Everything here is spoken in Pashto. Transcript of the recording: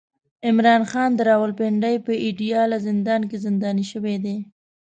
عمران خان د راولپنډۍ په اډياله زندان کې زنداني شوی دی